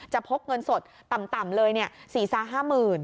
จะพกเงินสดต่ำเลย๔๕หมื่น